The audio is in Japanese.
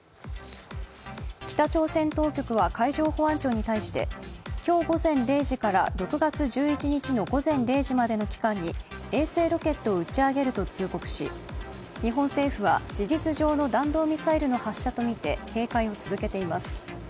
北朝鮮当局は海上保安庁に対して今日午前０時から６月１１日の午前０時までの期間に衛星ロケットを打ち上げると通告し日本政府は事実上の弾道ミサイルの発射とみて警戒を続けています。